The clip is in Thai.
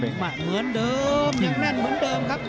มัดเหมือนเดิมยังแน่นเหมือนเดิมครับ